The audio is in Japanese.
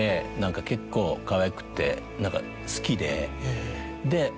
結構かわいくて何か好きで。